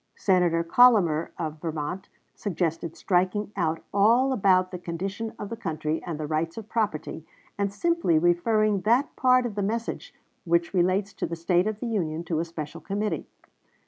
Senator Collamer, of Vermont, suggested striking out all about the condition of the country and the rights of property, and simply referring that part of the message which relates to the state of the Union to a special committee.